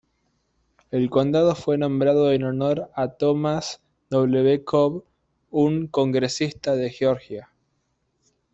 El condado fue nombrado en honor a Thomas W. Cobb, un congresista de Georgia.